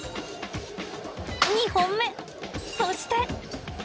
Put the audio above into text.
２本目、そして。